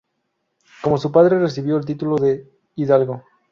Como su padre recibió el título de hidalgo.